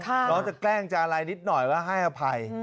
แล้วต้องแกล้งจารัยดิดหน่อยว่าให้อภัย